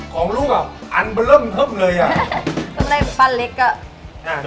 ของลูกอ่ะอันบะเริ่มเพิ่มเลยอ่ะก็ไม่ได้ปั้นเล็กก็น่ะ